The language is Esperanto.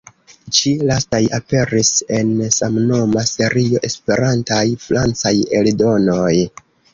Ĉi-lastaj aperis en samnoma serio "Esperantaj francaj eldonoj".